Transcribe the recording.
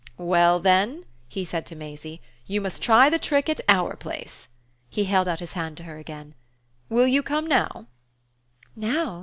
"Well then," he said to Maisie, "you must try the trick at OUR place." He held out his hand to her again. "Will you come now?"